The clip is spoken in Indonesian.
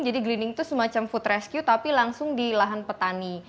jadi gleaning itu semacam food rescue tapi langsung di lahan petani